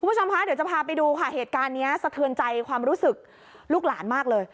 คุณผู้ชมคะเดี๋ยวจะพาไปดูค่ะเหตุการณ์นี้สะเทือนใจความรู้สึกลูกหลานมากเลย